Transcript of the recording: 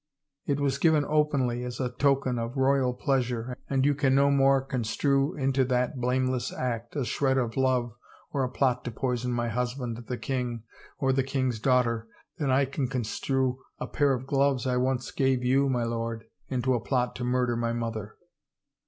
It was given openly as a token of royal pleasure and you can no more construe into that blameless act a shred of love or a plot to poison my husband, the king, or the king's daughter, than I can construe a pair of gloves I once gave you, my lord, into a plot to murder my mother.